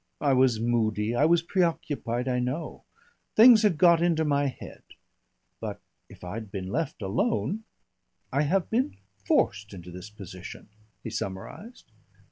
I was moody, I was preoccupied, I know things had got into my head. But if I'd been left alone.... "I have been forced into this position," he summarised.